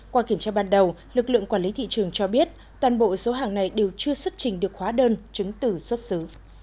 qua kiểm tra ban đầu lực lượng quản lý thị trường cho biết toàn bộ số hàng này đều chưa xuất trình được khóa đơn chứng tử xuất xứ